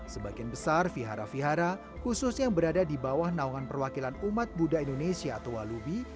sebagian besar vihara vihara khusus yang berada di bawah naungan perwakilan umat buddha indonesia atau walubi